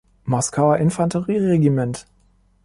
Moskauer Infanterieregiment.